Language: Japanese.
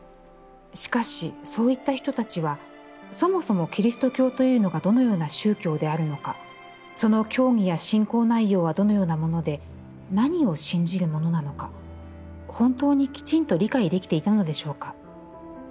しかし、そういった人たちは、そもそも、キリスト教というのがどのような宗教であるのか、その教義や信仰内容はどのようなもので、何を信じるものなのか、本当にきちんと理解できていたのでしょうか。